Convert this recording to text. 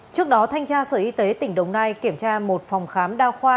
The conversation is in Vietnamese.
trước đó thanh tra sở y tế tỉnh đồng nai kiểm tra một phòng khám đa khoa